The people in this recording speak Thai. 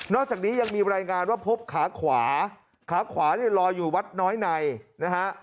อกจากนี้ยังมีรายงานว่าพบขาขวาขาขวาเนี่ยลอยอยู่วัดน้อยในนะฮะ